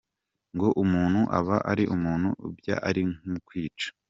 ngo umuntu aba ari umuntu byaba ari nko kwica;